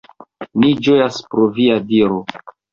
Mi ĝojas pro via diro.